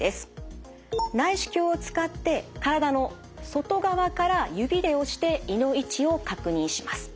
内視鏡を使って体の外側から指で押して胃の位置を確認します。